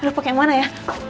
aduh pake yang mana ya